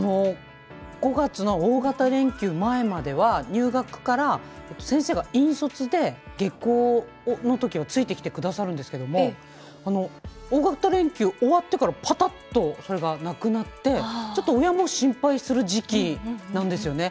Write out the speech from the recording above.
５月の大型連休前までは入学から先生が引率で下校のときはついてきてくださるんですけども大型連休が終わってからパタッとそれがなくなってちょっと親も心配する時期なんですよね。